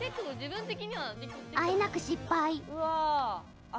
あえなく失敗。